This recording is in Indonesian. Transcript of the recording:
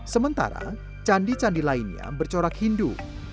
sementara candi candi lainnya bercorak hindu